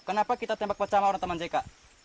kenapa kita tembak pecah sama orang taman jeka